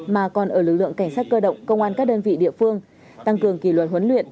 mà còn ở lực lượng cảnh sát cơ động công an các đơn vị địa phương tăng cường kỷ luật huấn luyện